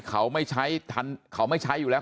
เขาไม่ใช้อยู่แล้ว